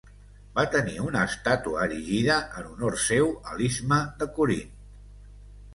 Va tenir una estàtua erigida en honor seu a l'istme de Corint.